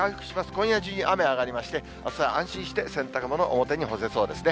今夜中に雨、上がりまして、あすは安心して洗濯物、表に干せそうですね。